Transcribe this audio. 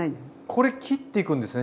これ切っていくんですね